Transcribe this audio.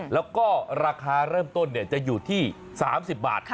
แล้วก็ราคาเริ่มต้นจะอยู่ที่๓๐บาท